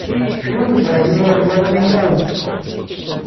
Fuel prices are leveling out.